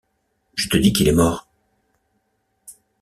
Je te dis qu’il est mort !